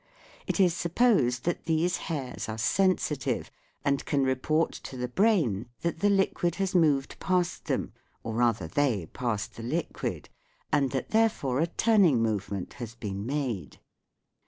It is supposed that these hairs are sensitive and can report to the brain that the liquid has moved past them, or rather they past the liquid, and that therefore a turning movement has been made.